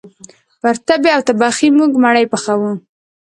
پر تبۍ او تبخي موږ مړۍ پخوو